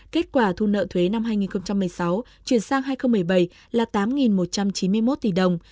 kết quả thu nợ thuế năm hai nghìn một mươi sáu chuyển sang hai nghìn một mươi bảy là tám một trăm chín mươi một tỷ đồng